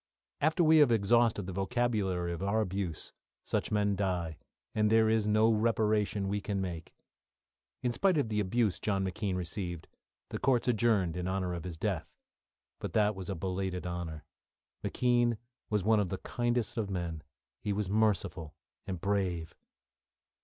After we have exhausted the vocabulary of our abuse, such men die, and there is no reparation we can make. In spite of the abuse John McKean received, the courts adjourned in honour of his death but that was a belated honour. McKean was one of the kindest of men; he was merciful and brave.